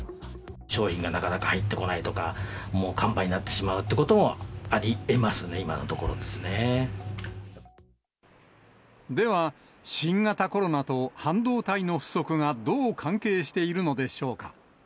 商品がなかなか入ってこないとか、もう完売になってしまうということもありえますね、では、新型コロナと半導体の不足がどう関係しているのでしょうか。